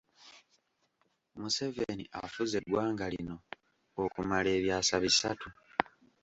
Museveni afuze eggwanga lino okumala ebyasa bisatu.